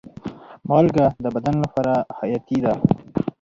مالګه د بدن لپاره حیاتي ده.